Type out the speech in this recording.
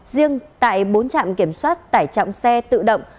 riêng tại bốn trạm kiểm soát tải trọng xe tự động